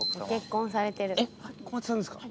えっ小松さんですか。